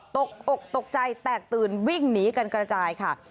ตกอกตกใจแตกตื่นวิ่งหนีกันกระจายค่ะ